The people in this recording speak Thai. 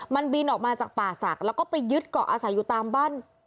มันบินออกมาจากป่าศักดิ์แล้วก็ไปยึดเกาะอาศัยอยู่ตามบ้าน